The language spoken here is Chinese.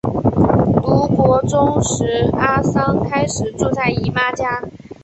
读国中时阿桑开始住在姨妈家。